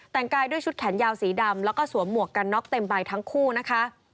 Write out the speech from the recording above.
แต่งกายด้วยชุดแขนยาวสีดำแล้วก็สวมหมวกกันน็อกเต็มใบทั้งคู่นะคะ